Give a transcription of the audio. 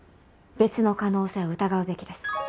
別の可能性を疑うべきです。